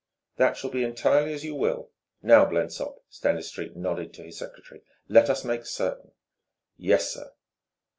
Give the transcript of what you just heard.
"That shall be entirely as you will. Now, Blensop" Stanistreet nodded to the secretary "let us make certain...." "Yes, sir."